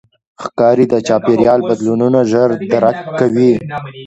ښکاري د چاپېریال بدلونونه ژر درک کوي.